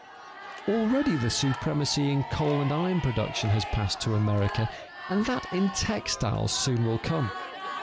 Already the supremacy in coal and iron production has passed to America, and that in textiles soon will come.